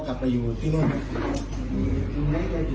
กลับไปอยู่ที่นู่น